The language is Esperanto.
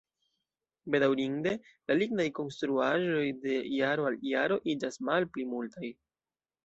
Bedaŭrinde, la lignaj konstruaĵoj de jaro al jaro iĝas malpli multaj.